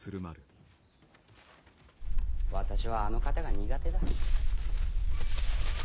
私はあの方が苦手だ。